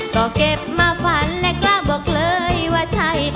ก็เก็บมาฝันและกล้าบอกเลยว่าใช่